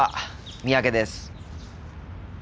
三宅です。